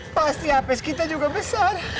pasti apes kita juga besar